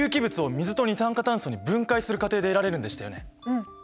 うん。